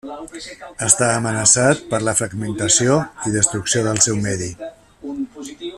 Està amenaçat per la fragmentació i destrucció del seu medi.